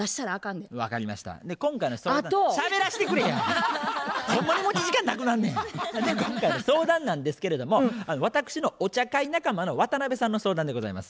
で今回の相談なんですけれども私のお茶会仲間の渡辺さんの相談でございます。